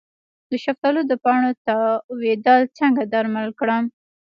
د شفتالو د پاڼو تاویدل څنګه درمل کړم؟